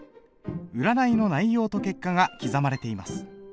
占いの内容と結果が刻まれています。